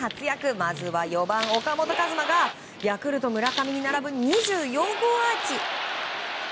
まずは４番、岡本和真がヤクルト、村上に並ぶ２４号アーチ。